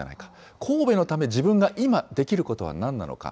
神戸のため自分が今できることはなんなのか。